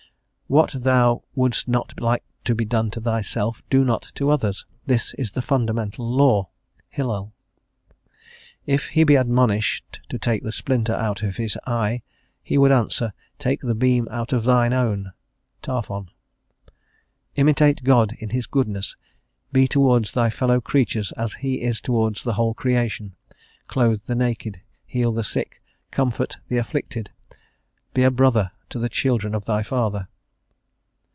"What thou wouldst not like to be done to thyself, do not to others; this is the fundamental law." (Hillel.) "If he be admonished to take the splinter out of his eye, he would answer, Take the beam out of thine own." (Tarphon.) "Imitate God in His goodness. Be towards thy fellow creatures as He is towards the whole creation. Clothe the naked; heal the sick; comfort the afflicted; be a brother to the children of thy Father."